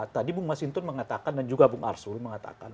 tadi bung mas hinton mengatakan dan juga bung arsul mengatakan